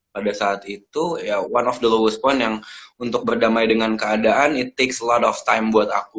pada saat itu ya one of the lowest point yang untuk berdamai dengan keadaan it takes lot of time buat aku